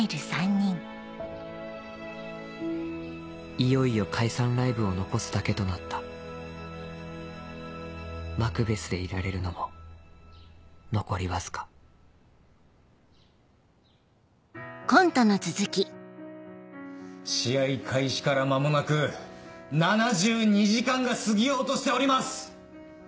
いよいよ解散ライブを残すだけとなったマクベスでいられるのも残りわずか試合開始から間もなく７２時間が過ぎようとしております！